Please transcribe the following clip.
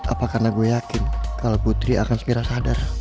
apa karena gue yakin kalau putri akan segera sadar